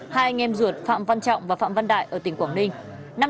hai anh em ruột phạm văn trọng và phạm văn đại ở tỉnh quảng ninh